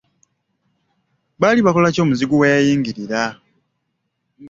Baali bakola ki omuzigu we yabayingirira?